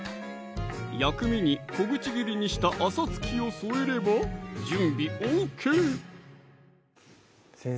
薬味に小口切りにしたあさつきを添えれば準備ＯＫ先生